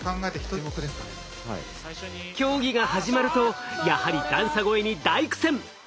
競技が始まるとやはり段差越えに大苦戦。